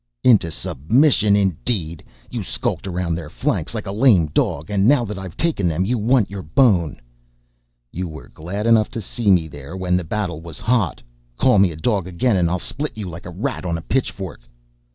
"Into submission, indeed! You skulked around their flanks like a lame dog, and now that I've taken them, you want your bone!" "You were glad enough to see me there when the battle was hot. Call me a dog again and I'll spit you like a rat on a pitchfork."